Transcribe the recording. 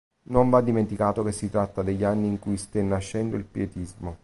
Non va dimenticato che si tratta degli anni in cui ste nascendo il Pietismo.